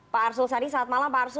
pak arsul sari saat malam pak arsul